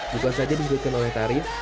jika saja dihentikan oleh tarif